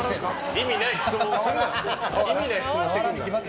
意味のない質問をするな。